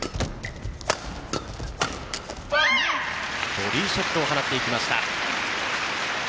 ボディーショットを放っていきました。